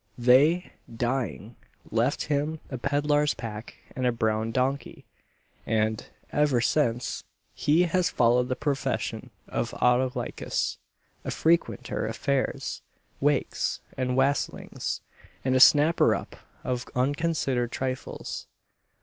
They, dying, left him a pedlar's pack and a brown donkey; and, ever since, he has followed the profession of Autolycus a frequenter of fairs, wakes, and wassellings, and a snapper up of unconsidered trifles.